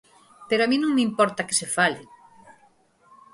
Pero a min non me importa que se fale.